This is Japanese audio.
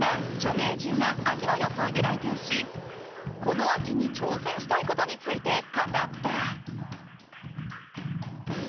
名人が秋の装いで来店しこの秋に挑戦したいことについて語った。